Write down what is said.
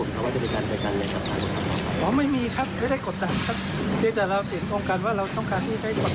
ที่แต่เราเห็นตรงกันว่าเราต้องการให้ปรากฏความจริง